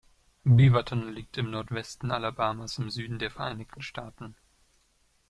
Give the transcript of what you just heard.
Beaverton liegt im Nordwesten Alabamas im Süden der Vereinigten Staaten.